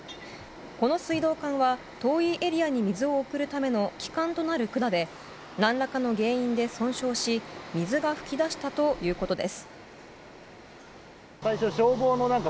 この水道管は、遠いエリアに水を運ぶための基幹となる管で何らかの原因で損傷し水が噴き出したということです。